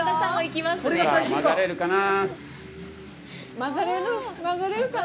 曲がれるかな？